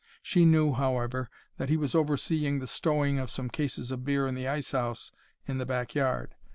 She knew, however, that he was overseeing the stowing of some cases of beer in the ice house in the back yard.